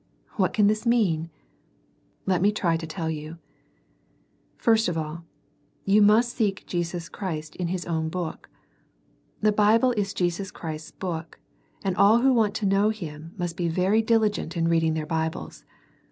What can this mean? Let me try to tell you. First of all, you mtist sctk Jesus CKH^t v^ "K vs. 122 SERMONS FOR CHILDREN. own Book. The Bible is Jesus Christ's book, and all who want to know Him must be very diligent in reading their Bibles.